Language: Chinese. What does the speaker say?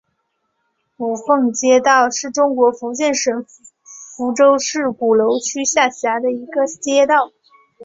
五凤街道是中国福建省福州市鼓楼区下辖的一个街道。